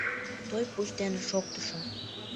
Той пуч дене шоктышым.